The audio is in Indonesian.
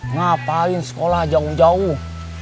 ngapain sekolah jauh jauh